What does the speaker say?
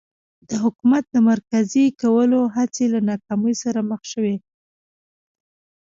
د حکومت د مرکزي کولو هڅې له ناکامۍ سره مخ شوې.